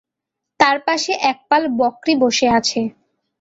তার পাশে একপাল বকরী বসে আছে।